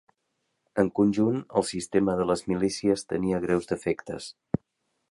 En conjunt, el sistema de les milícies tenia greus defectes